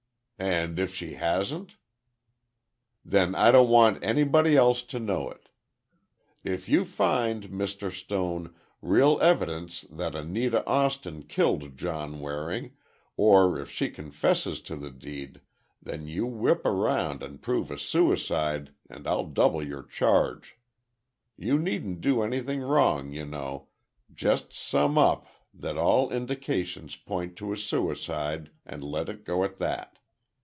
"And if she hasn't?" "Then I don't want anybody else to know it. If you find, Mr. Stone, real evidence that Anita Austin killed John Waring, or if she confesses to the deed, then you whip around and prove a suicide, and I'll double your charge. You needn't do anything wrong, you know. Just sum up that all indications point to a suicide, and let it go at that.